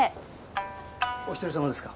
お一人様ですか？